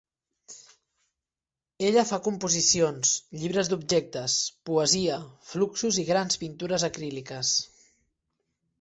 Ella va composicions, llibres d"objectes, poesia fluxus i grans pintures acríliques.